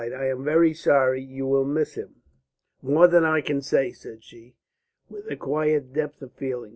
"I am very sorry. You will miss him." "More than I can say," said she, with a quiet depth of feeling.